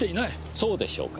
そうでしょうか。